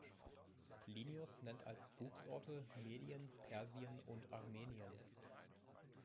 Plinius nennt als Wuchsorte Medien, Persien und Armenien.